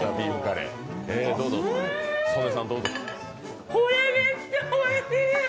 うーん、これ、めっちゃおいしい。